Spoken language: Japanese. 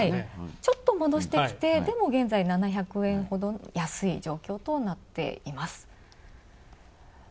ちょっと戻してきて、でも現在７００円ほど安い状況となっています。